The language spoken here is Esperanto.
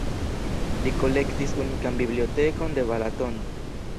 Li kolektis unikan bibliotekon de Balatono.